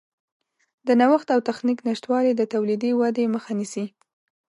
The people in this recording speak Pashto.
د نوښت او تخنیک نشتوالی د تولیدي ودې مخه نیسي.